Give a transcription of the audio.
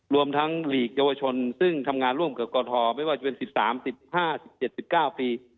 รวมทั้งหลีกเยาวชนซึ่งทำงานร่วมกับกรทไม่ว่าจะเป็น๑๓๑๕๑๗๑๙ปี